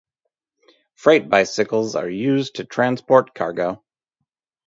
Freight bicycles are used to transport cargo.